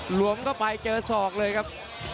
หลวมก็ไปเจอศอกเลยครับ